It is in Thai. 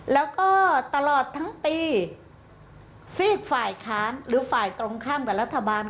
แล้วก็ตลอดทั้งปีซีกฝ่ายค้านหรือฝ่ายตรงข้ามกับรัฐบาล